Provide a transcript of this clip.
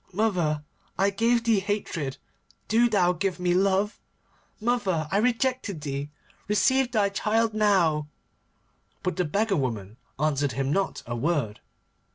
Mother, I gave thee hatred. Do thou give me love. Mother, I rejected thee. Receive thy child now.' But the beggar woman answered him not a word.